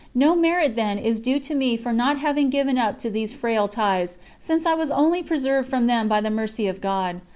No merit, then, is due to me for not having given up to these frail ties, since I was only preserved from them by the Mercy of God.